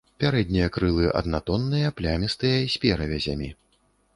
Пярэднія крылы аднатонныя, плямістыя, з перавязямі.